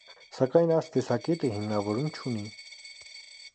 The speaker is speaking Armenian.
Սակայն այս տեսակետը հիմնավորում չունի։